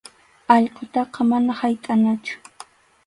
Allqutaqa manam haytʼanachu.